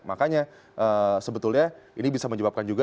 makanya sebetulnya ini bisa menyebabkan juga